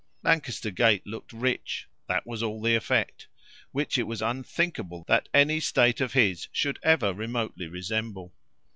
Lancaster Gate looked rich that was all the effect; which it was unthinkable that any state of his own should ever remotely resemble.